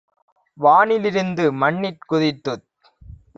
வானி லிருந்து மண்ணிற் குதித்துத்